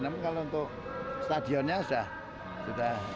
namun kalau untuk stadionnya sudah